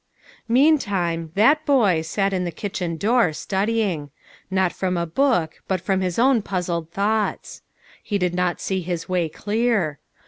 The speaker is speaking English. Meantime, " that boy " sat in the kitchen door, studying. Not from a book, but from his own puzzled thoughts. He did not see his way clear.